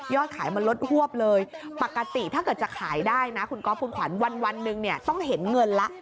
ขายมันลดฮวบเลยปกติถ้าเกิดจะขายได้นะคุณก๊อฟคุณขวัญวันหนึ่งเนี่ยต้องเห็นเงินละ